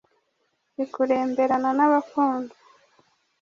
ikuremberana n’abakunzi